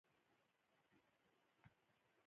خدای دې دې ویني چې لانجو کې ښکېل وې.